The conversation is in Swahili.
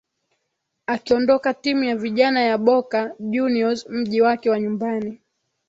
Akiondoka timu ya vijana ya Boca Juniors mji wake wa nyumbani